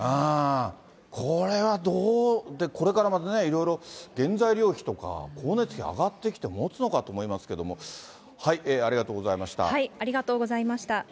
これはどう、これからまたね、いろいろ原材料費とか、光熱費上がってきて、もつのかと思いますけれども、ありがとうごありがとうございました。